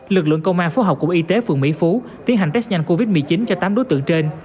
lực lượng công an phố học cùng y tế phường mỹ phú tiến hành test nhanh covid một mươi chín cho tám đối tượng trên